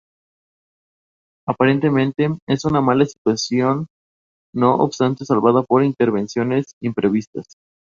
Aparentemente, es una mala situación, no obstante salvada por intervenciones imprevistas.